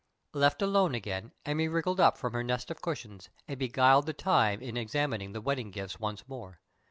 Left alone again, Emmy wriggled up from her nest of cushions, and beguiled the time in examining the wedding gifts once more.